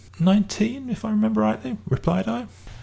"Nineteen, if I remember rightly," replied I.